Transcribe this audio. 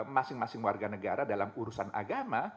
masing masing warga negara dalam urusan agama